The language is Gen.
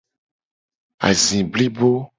Azi blibo.